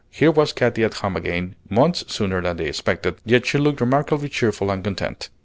Here was Katy at home again, months sooner than they expected; yet she looked remarkably cheerful and content!